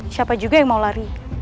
siapa juga yang mau lari